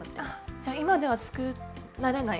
じゃ今では作られない。